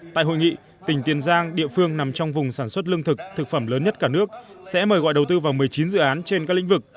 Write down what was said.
tại hội nghị tỉnh tiền giang địa phương nằm trong vùng sản xuất lương thực thực phẩm lớn nhất cả nước sẽ mời gọi đầu tư vào một mươi chín dự án trên các lĩnh vực